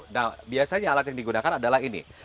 nah biasanya alat yang digunakan adalah ini